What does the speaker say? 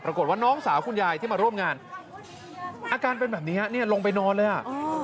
ปรากฏว่าน้องสาวคุณยายที่มาร่วมงานอาการเป็นแบบนี้ฮะเนี่ยลงไปนอนเลยอ่ะ